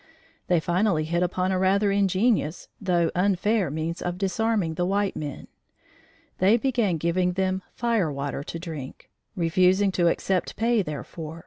They finally hit upon a rather ingenious, though unfair means of disarming the white men: they began giving them "fire water" to drink, refusing to accept pay therefor.